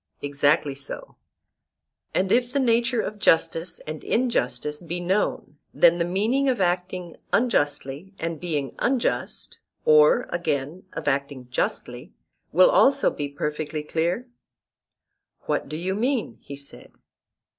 Exactly so. And if the nature of justice and injustice be known, then the meaning of acting unjustly and being unjust, or, again, of acting justly, will also be perfectly clear? What do you mean? he said.